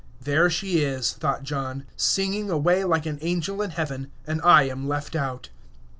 "There she is," thought John, "singing away like an angel in heaven, and I am left out."